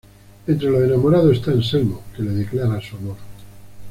Entre los enamorados está Anselmo, que le declara su amor.